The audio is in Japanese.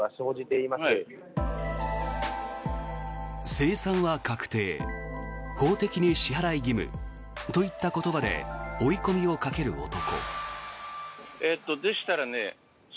精算は確定法的に支払い義務といった言葉で追い込みをかける男。